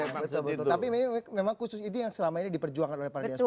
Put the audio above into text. betul betul tapi memang khusus itu yang selama ini diperjuangkan oleh para diaspo